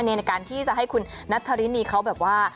ในการที่จะให้คุณนัทธรินีเขาแบบว่า